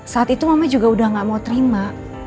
saat itu mama juga udah gak mau terima